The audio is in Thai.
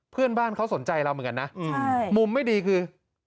เพื่อนบ้านเขาสนใจเรามึงกันนะมุมไม่ดีขึ้นคือใช่